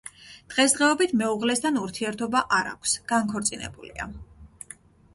დღესდღეობით მეუღლესთან ურთიერთობა არ აქვს, განქორწინებულია.